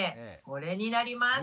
これになります。